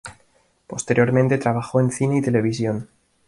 Posteriormente trabajó en cine y televisión.